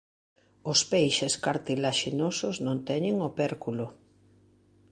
Os peixes cartilaxinosos non teñen opérculo.